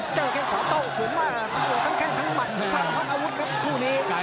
เจ้งแค่ขวาโต้คืนมา